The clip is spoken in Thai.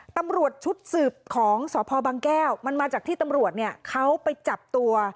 ตำรวจชุดสืบของสพบางแก้วมันมาจากที่ตำรวจเนี่ยเขาไปจับตัว